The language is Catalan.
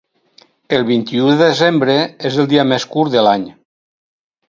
El vint-i-u de desembre és el dia més curt de l’any.